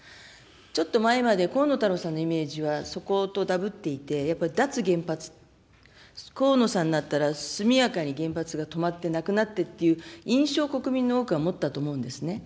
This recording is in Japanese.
ちょっと前まで、河野太郎さんのイメージは、そことだぶっていて、やっぱり脱原発、河野さんだったら速やかに原発が止まって、なくなってっていう印象を、国民の多くが持ったと思うんですね。